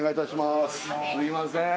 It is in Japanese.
すいません